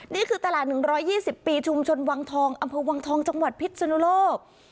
นี่คือตลาด๑๒๐ปีชุมชนวังทองอำเภอวังทองจังหวัดพิษนุโลก